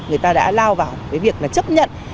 người ta đã lao vào cái việc là chấp nhận